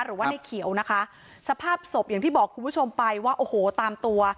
หรือว่าในเขียวนะคะสภาพศพอย่างที่บอกคุณผู้ชมไปว่าโอ้โหตามตัว